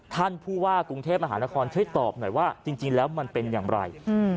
ท่านผู้ว่ากรุงเทพมหานครช่วยตอบหน่อยว่าจริงแล้วมันเป็นอย่างไร